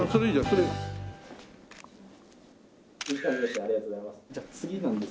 ありがとうございます。